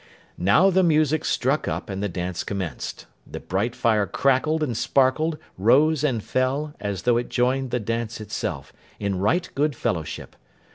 Now the music struck up, and the dance commenced. The bright fire crackled and sparkled, rose and fell, as though it joined the dance itself, in right good fellowship.